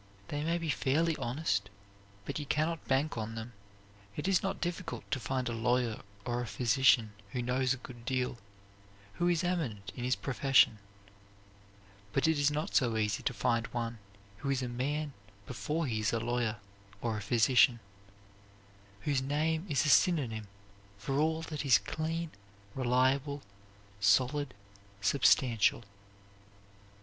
They may be fairly honest, but you cannot bank on them. It is not difficult to find a lawyer or a physician who knows a good deal, who is eminent in his profession; but it is not so easy to find one who is a man before he is a lawyer or a physician; whose name is a synonym for all that is clean, reliable, solid, substantial.